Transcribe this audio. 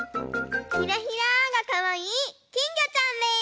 ひらひらがかわいいきんぎょちゃんです！